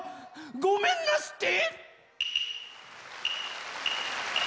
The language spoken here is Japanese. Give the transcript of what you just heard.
ごめんなすって！